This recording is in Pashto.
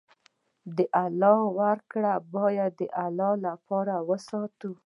د الله ورکړه باید د الله لپاره وساتو.